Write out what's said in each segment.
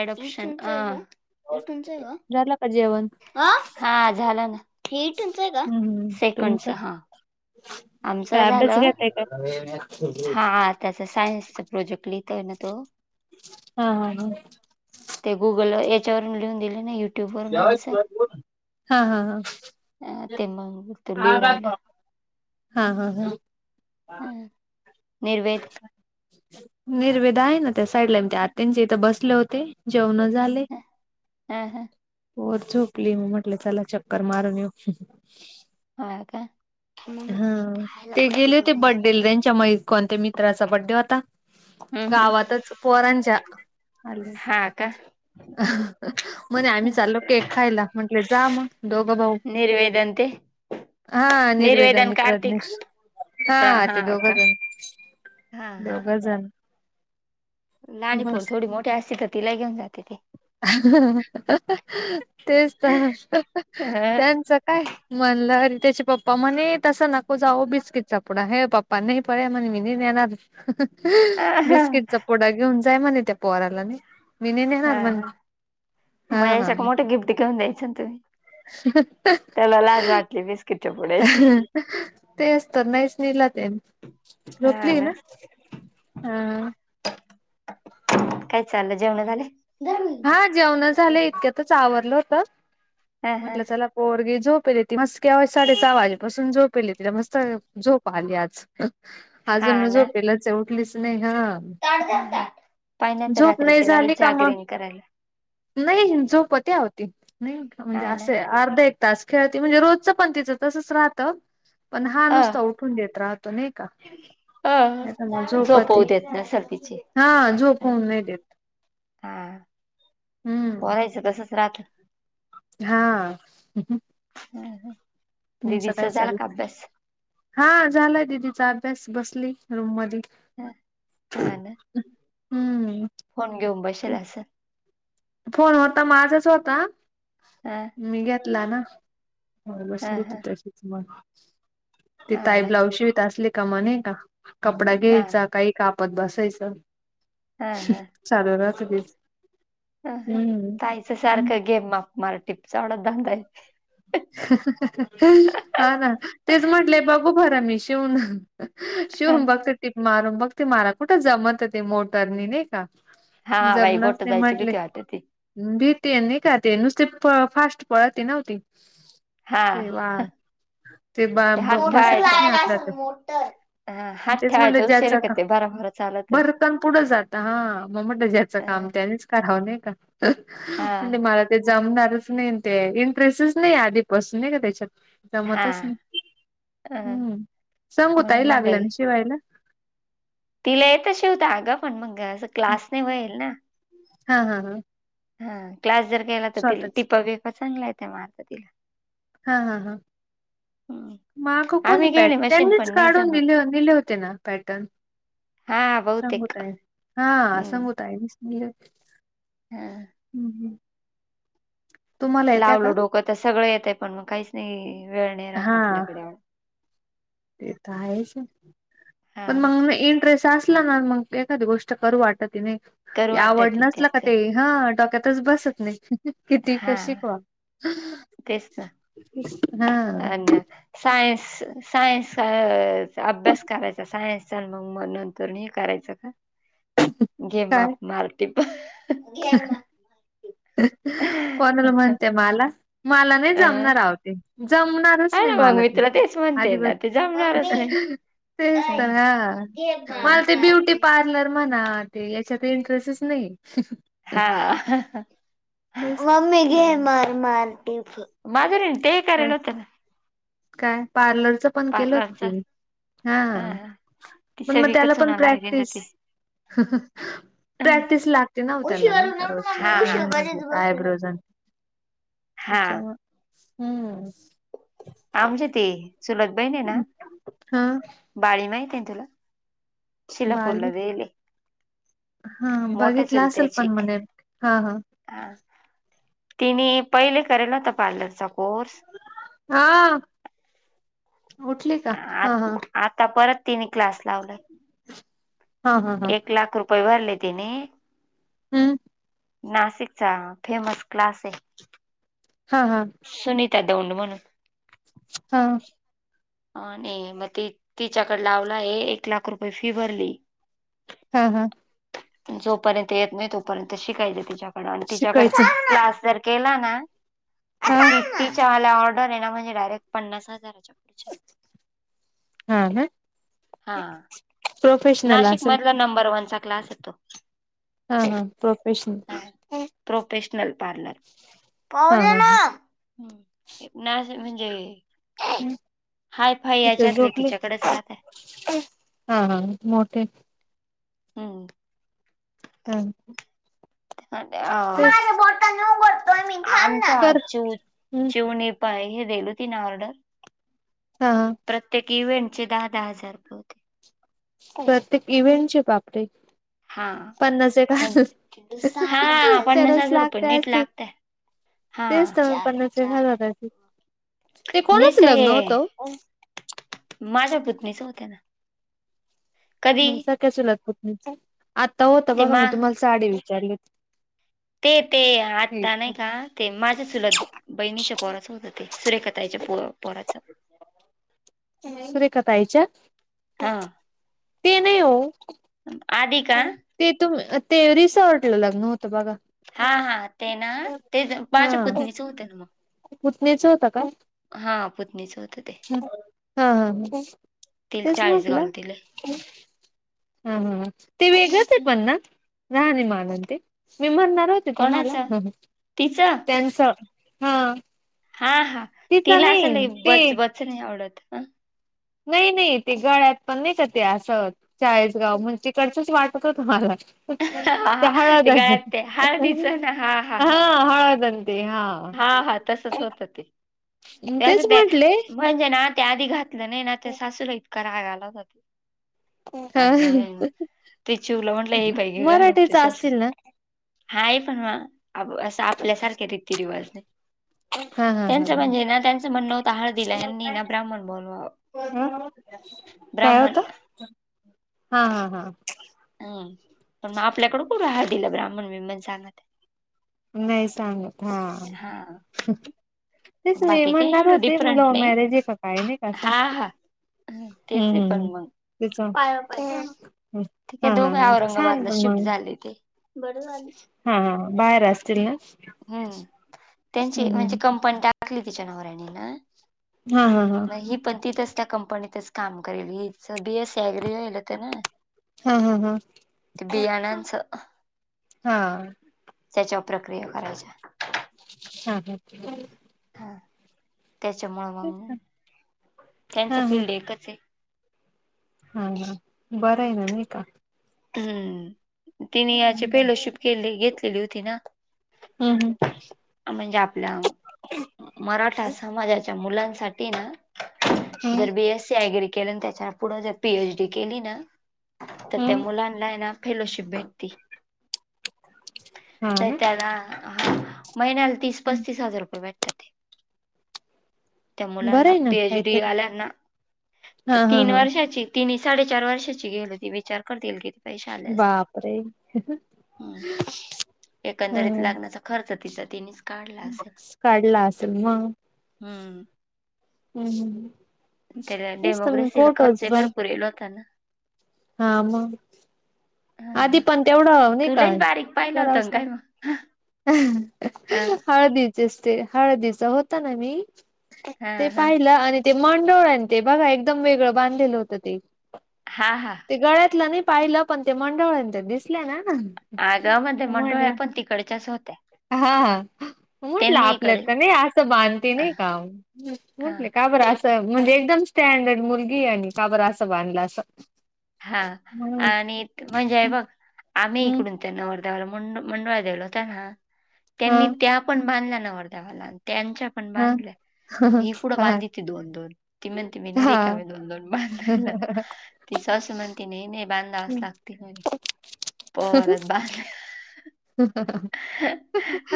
Adoption अ तुमचं आहे का? झाला का जेवण? ह हा झालं ना ि [unintelligible] टच आहे का सेकंडच हा आमचं काबच [unintelligible] झालं घेतय का त्याच सायन्सचा प्रोजेक्ट लिहितो ना तो हा हा हा [unintelligible] ते गुगल याच्यावरून लिहून दिले नाही [inaudible] हा अ ते मग तो लिहू ह राहिला हा हा हा अ निर्वेद निर्वेद आहे ना त्या साईडला आत्यांच्या इथं बसले होते जेवण झाले ए हा पोर झोपली, मग म्हटल चला चक्कर मारून येऊ हा का? मग हा खायला ते पट्टी गेले होते करून आलो. बड्डेला, त्यांच्या म कोणत मित्राचा बड्डे होता हम्म हम्म गावातच पोरांच्या, अ हा का अ, म्हणे आम्ही चालो केक खायला, म्हंटले जा मग दोघ भाऊ, निर्वेदन ते हा अणि युवेदा निर्वेदन आणि कार्तिक प्रज्ञश, हा ते दोघ जण, हा दोघ जण लाणीपपोर बस थोडी मोठी असती तर तिला घेऊन जाते ती तेच तर त्यांच काय म्हणल अरे त्याचे पप्पा, म्हणे तस नको जाऊ बिस्किटचा पुडा हे पप्पा नाही प म्हण मी नाही नेणार मग बिस्किटचा पोडा घेऊन जाय म्हणे, त्या पोहराला मि नी हा हा, म याच्याक मोठे गिफ्ट घेऊन देयच तुनी [unintelligible] बिस्किटच्या पुड्याची ते असत, नाहीच नेला तेनी, झोपली ना? अअ काय चालल, जेवण झाले? हा जेवण झाले इतक्यातच आवरल होत, हा हा म्हटल चला पोरगी झोपेले ती मस्त साडे सहा वाजेपासून झोपेले तिला मस्त झोप आली आज हा अजून न ना झोपेलच ए उठलीच नायी, हा पाय नायी तर झोप रात्रीचे लावेल जागरण करायला नायी, झोपते अहो ती, नाही म्हणजे हा ना असेया अर्धा एक तास खेळती, म्हणजे रोजच पण तिच तसच राहत पण हा अ नुसता उठून देत राहत नाही का? अ नाही त म झोपवू झोपती देत नसेल हा, झोप होऊन नायी देत आ हम्म पोरायच तसच राहत हा हम् ह त सकाळी चाल, हा झालाय दीदीचा अभ्यास बसली रूम मधी, हा हा ना हम्म फोन घेऊन बशेल असल फोन होता, माझाच होता हा मी घेतला ना, हा बसली ती हा तशीच मग ति हा ताई ना ब्लाउज शिवित असली का म नई का कपडा हा घ्यायचा काही कापत बसायस च, हा चालु राहत तीच अ ताईच सारख गेम मला टिपचा एवढाच धंद ये हा ना, तेच म्हटलेय, बघू खरा मी शिवून शिऊन बघते ते टिप मारून बघते मला कुठ जमत ते मोटरनी नायी का का हा बाई जबनास बोट न जायची म्हटले भीती वाटती भीती नाही का ते नुसते फास्ट पळते न ती हा ह ते हात बसतच नाही ठेवायच आपल्या तर हात ठेवायच उशीर क ते भारभर च भरकन पुढं जात हा मग म्हनल ज्याचं अ काम त्यानीच, करा नाही का हा. म्हणजे मला ते जमणारच नाही ते इंटरेस्टच. नाही आधीपासून नाही का त्याच्यात, हा जमतच नाही अ हम्म म्हणून संगूताही लागलं म्हणलं ना शिवायला. तिला येत शिवता अगं पण मग अस क्लासने वईल ना, हा हा हा, हा क्लास जर केला तर तिला स्वतःच टिप बीप चांगला येत मारता तिला. हा हा हा, माग कोणी आम्ही पॅट गेले मशीन त्यांनीच पण नाही काढून जमत दिले होते ना पॅटर्न. हा बहुतेक संगूताय हा हम्म संगूताय दिसलिया, हा, हम्म हम्म, तुम्हाला येत्या का लावलं डोकं तर सगळं येत आहे पण मग काहीच नाही वेळ नाही राहात हा आपल्याकडे आवराय. ते तर आहेच पण हा मग इंट्रेस अस, तसल असल ना मग एखादी गोष्ट करू वाटत नाही करू ते आवड वाटत नाही नसल का त्यातले ते, हा डोक्यातच बसत नाही किती हा कशी शिकवा, तेच ना हा, अन सायन्स, सायन्स अभ्यास करायचा सायन्सचा मग नंतर हे करायचं का? गेम म काय मल्टी प गेम, कोणाला म्हणते मला मला नाही अ जमणार आवते जमणारच, हा नाही ना मग मला मी ते तुला तेच म्हणते ना अजिबात. ते जमणारच नाही. तेच ऐ, तर ह घे मला माप ते मार ब्युटी टिप. पार्लर म्हनाल. ते याच्यात इंटरेस्टच नाही, हा तेच म मी घेणार मार टीफ माझं रे टिफ. कराय काय लावत्यात, काय पार्लरचं, पण गेल पार्लरच तीन हा. ती मग हा सगळीकडे त्याला पण चुनाला आहे रेंड प्रॅक्टिस. ती. ह, प्रॅक्टिस लागते ना हो त्याला उशीवर नाही का रोजची नव्हतं किती नाही उशीवर मजा घरीच हो बसून आहे. आयब्रोज आणि. हा अच्छा म, हम्म, आमची ते चूलत बहीण आहे ना. हा बाळी माहित आहे तुला बाली शिलापूरला राहिले. हा मोठ्या बघितलं असेल पण म्हणे हा हा, हा तिने पहिले करेल नव्हता पार्लरचा कोर्स. हा उठली, का आ हा हा आता परत तिने क्लास लावलाय हा हा हा एक लाख रुपय. व्हय भरले तिने, हम्, नाशिकचा फेमस क्लास आहे! हा हा, सुनीता दौंड म्हणून, हा, आणि मग ती तिच्याकड लावला आहे, एक लाख रुपये फी भरली. हा हा. जोपर्यंत येत नाही तोपर्यंत शिकायचे तिच्याकड आणि तिच्याकड शिकायचं क्लास जर केला ना हा तिच्यावाल्या ऑर्डर आहे ना म्हणजे डायरेक्ट पन्नास हजाराच्या पुढच्या हा हा. हा नाशिक मधला नंबर वनचा क्लास हाय तो. हा हा प्रोफेशनल प्रोफेशनल पार्लर, पाहू हा दया हा ना ह ना म्हणजे [unintelligible] हाय फाय तिथे याच्यातले झोपली तिच्याकडेच राहतयत. हा हा मोठे हम्म. हा. अ तेच माझ्या बॉटल न भरतोय मी थांब ना आमच्या कर चिऊ चिऊने प हे देेल तिन ऑर्डर हा ह. प्रत्येक इव्हेंट चे दहा दहा हजार रुपये होते. प्रत्येक इव्हेंटचे बापरे. हा पन्नास म्हणजे हा [unintelligible] पन्नास तरच हजार रुपये लागते नीट असत. लागतय हा तेच तर चार पन्नासच्या चार घरात जाते, ते कोणाच नीसत लग्न हे होत? माझ्या पुत्नीच होत्या ना. कधी म्हणजे सख्या चुलत पुतनीच आता होत ते बघा मा मी तुम्हाला साडी विचारली, ते ते होती. आत्ता नाही का ते माझ्या चुलत बहिणीच्या पोराचं होतं ते सुरेखा ताईच्या पो पोराच. सुरेखाताईच्या, आधी का, ते तुम ते रिसॉर्टला लग्न होतं बघा हा हा ते ना ते बाच्या हा पुतनीच होते ना मग, पुतणीच होतं काय? हा पुतणीच होतं ते हा ह तिला तेच चाळीस म्हटलं गावल दिलंय [unintelligible] हा हा ते वेगळंच आहेत पण ना राहणीमान आणि ते मी म्हणणार हो ते तुम्हाला कोणाचं ह तिचं त्यांच हा हा हा तिचं तिला असं नाही बच ते बच नाही आवडत. नाही नाही ते गळ्यात पण नाही का ते असत चाळीसगाव म्हणज तिकडचच वाटत होत मला हा ते हा हळद गळ्यात ते हळदीचं ना हा हळद आणि ते हा. हा हा तसच होत ते, तेच [unintelligible] म्हटले म्हणजे ना ते आधी घातलं नाही ना त्या सासूला इतका राग आला होता तो हा. आणि मग ते चिवलं म्हटलं हे पाहिे हे घाल आमची मराठीच सासू असतील ना हाय पण म असं आपल्यासारखे रीती रिवाज नाही. हा हा हा त्यांचं हा. म्हणजे ना त्यांचं म्हणण होत हळदीला ह्यांनी ब्राह्मण बोलवाव. ह काय ब्रहमण. होत हा हा हा. हम पण मग आपल्याकडे कुठं हळदीला ब्राह्मण ब्रीह्मण सांगती. नही सांगत हा! हा! तेच मी बाकी काही म्हणणार एवढं होते डीफरंट लव्ह नही मॅरेज आहे का काय नाही का असं हा हा! तेच हे हम्म पण हम्म. मंग. तिच पाया वर पाय ठेव ना, [unintelligible] हे हा हा दोघ हा छान औरंगाबादला पण शिफ्ट मग झाले ते. बर झाली, हा हा बाहेर असतील ना. हूं त्यांची हम्म म्हणजे हम्म कंप पन टाकली तिच्या नवऱ्यानी ना हा हा हा! म ही पण तिथंच त्या कंपनीतच काम करेल, हिच बी एस सी ऍग्री व्हयल व्हतं ना. हा हा हा! ते बियाण्यांचं. हा! त्याच्याव प्रक्रिया करायच्या हा हा! त्याच्यामुळ मंग ना त्यांचं हा हा फिल्ड एकच हे. हा हा बरंय ना नही का? हूं तिने याची हम्म फेलोशिप केली, घेतलेली होती ना. हूं हूं! म्हणजे आपल्या मराठा समाजाच्या मुलांसाठी ना हम्म जर बी एस सी ऍग्री केल, न त्याच्या पुढ जर पी एच डी केली ना त त्या हम्म मुलांनलाहे ना फेलोशिप भेटती. हा त ना त्याला हा महिन्याला तीस हम्म. पस्तीस हजार रुपये भेटतात ते. त्या बरं मुलांना आहे ना पी एच डी काहीतरी वाल्यानां त हा हा तीन हा वर्षाची तीनी साडेचार वर्षाची घेल होती, विचार कर तील कि बापरे! हम्म हा एकंदरीत हा लाग्नाचा खर्च तिचा ती काढला असेल म हूं! हम्म. त्याला तेच तर मग डेमोग्रेसीला फोटोज खर्चही पण भरपूर येल होता ना. हा मंग. आधी ह पण तेवढं नही तु का, लईच बारीक पाहिलं होतं करावच ना लाग काय मग अ हळदीचेस ते हळदीचा होता ना मी. हा ते हा पाहिलं, आणि ते मांडोळ्या न ते बघा एकदम वेगळं बांधलेलं होतं ते हा हा! ते गळ्यातलं नही पाहिलं, पण ते मंडोळ्या न ते दिसल्या ना. आगं म ते मंडोळ्या म्हटलं पण तिकडच्याच होत्या. हा हा! म्हटलं त्यांनी आपल्यात इकडे त नही आसं बांधती नही का हा म्हटले का बरं आस त म्हणजे एकदम स्टँडर्ड मुलगी हे आणि का बर असं बांधलं अस. हा आणि म्हणजे हे बघ आम्ही हम्म इकडून त्यां नवर देवाला मंड-मंडोळ्या देल होत ना, हा त्यांनी त्या पण बांधल्या नवरदेवाला न त्यांच्या पण हा बांधल्या हे कुडं हा बांधि ती दोन दोन ती म्हणती मी नही हा रेिकामी, दोन दोन बांधायला. सासु म्हणती नही नही बांधावस लागती म्हणे पवारात बांध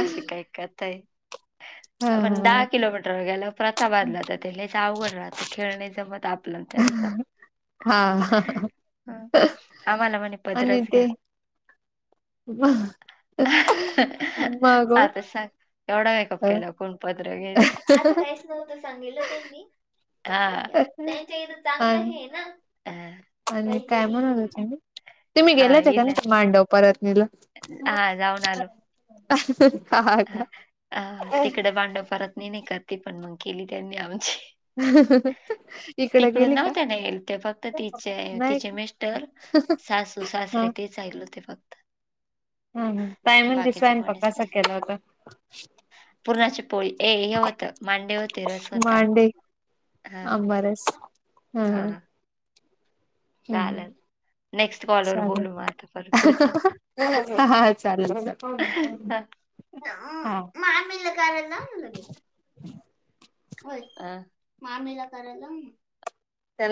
अशी काय कथा हे. पण दहा हा किलोमीटर व गेला प्रथा [inaudible] बांधला तर त्या लच आवड राहतं खेळण्याच मत आपलं त्यांच हा हा आम्हाला म्हणे आणि पदरच घ्या ते मगो, केवढा मेकअप केला कोण पत्र घेईल अस त सांगलं त्यांनी त्यांच्या इथ चांगलं आणि हे ना आणि काय म्हणत काहीतरी होते मी, तुम्ही हा गेलात का इला ना मांडव परतनीला हा जाऊन आलो हा का तिकडे [inaudible] भांडव [inaudible] फत नाही नाही करते पण मग केली त्यांनी आमची इकड तिकडून गेली का नव्हते नाहील ते फक्त तिचे नाही तिचे का मि तर [inaudible] सास सु सास हा हा रे [inaudible] तेचचाहिल होते फक्त. हम ताय [inaudible] म्ह बाकीचं दिसवायन [inaudible] प कोणीच कसं केला होत. पुूर्णाची पोळी ए हे होत मांडे होते रस होता. हा [inaudible] आंबरच हम हा. ह. हम. चालेल नेक्स्ट कॉलवर चाले बोलू मग आता परत पुढचं हा [inaudible] चालेू. हा. [inaudible] कराय [inaudible] जा ना लगेच होय मामीला करायला जा.